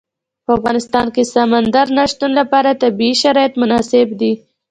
په افغانستان کې د سمندر نه شتون لپاره طبیعي شرایط مناسب دي.